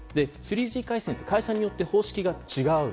３Ｇ回線は会社によって方式が違う。